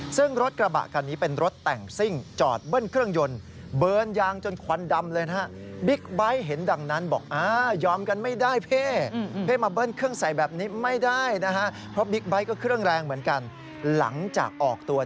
ซึ่งรถกระบะคันนี้เป็นรถแต่งซิ่งจอดเบิ้ลเครื่องยนต์เบิร์นยางจนควันดำเลยนะฮะ